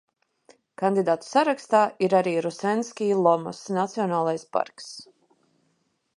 Kandidātu sarakstā ir arī Rusenski Lomas nacionālais parks.